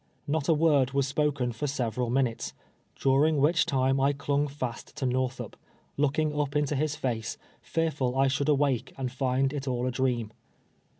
jSTot a word was spoken for several minutes, during which time I flung fast to JSTorthup, looking up into his face, fearful I shoidd awake and find it all a dream.